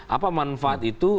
apa manfaat itu